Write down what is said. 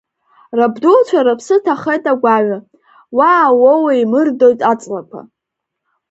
Рабдуцәа рыԥсы ҭахеит агәаҩа, уа ауоу еимырдоит аҵлақәа.